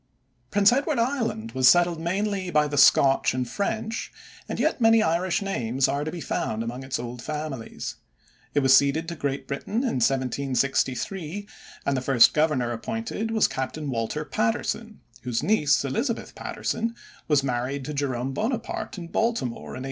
Prince Edward Island was settled mainly by the Scotch and French, and yet many Irish names are to be found among its old families. It was ceded to Great Britain in 1763, and the first Governor appointed was Captain Walter Patterson, whose niece, Elizabeth Patterson, was married to Jerome Bonaparte in Baltimore in 1803.